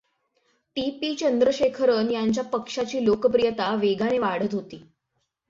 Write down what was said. T. P. Chandrasekharan यांच्या पक्षाची लोकप्रियता वेगाने वाढत होती.